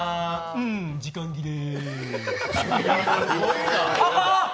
うん、時間切れ！